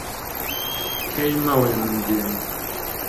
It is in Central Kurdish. پێی مەڵێ من دێم.